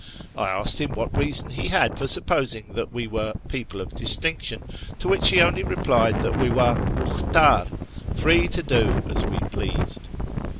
I asked him what reason he had for supposing that we were " people of distinc tion," to which he only replied that we were " vniklddr "— free to do as we pleased.